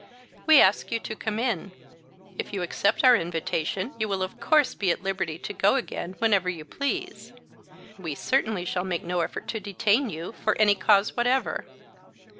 "We ask you to come in. If you accept our invitation you will of course be at liberty to go again whenever you please. We certainly shall make no effort to detain you, for any cause whatever."